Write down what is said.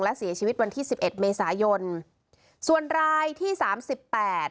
และเสียชีวิตวันที่สิบเอ็ดเมษายนส่วนรายที่สามสิบแปด